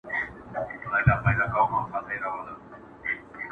پلو مي باد واخیست وړیا دي ولیدمه.!